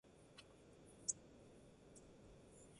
The terms of defeat or victory were called sacking and bogging.